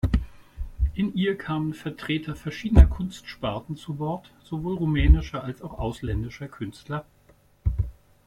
In ihr kamen Vertreter verschiedener Kunst-Sparten zu Wort, sowohl rumänischer, als auch ausländischer Künstler.